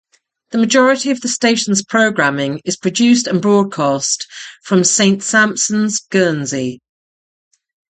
The majority of the station's programming is produced and broadcast from Saint Sampson's, Guernsey.